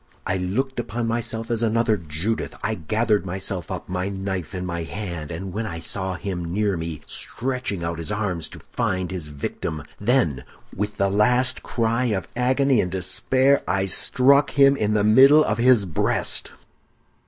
I looked upon myself as another Judith; I gathered myself up, my knife in my hand, and when I saw him near me, stretching out his arms to find his victim, then, with the last cry of agony and despair, I struck him in the middle of his breast.